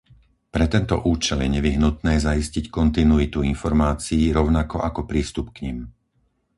Pre tento účel je nevyhnutné zaistiť kontinuitu informácií, rovnako ako prístup k nim.